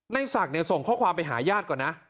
ในศักดิ์ส่งข้อความไปหาญาติก่อนนะ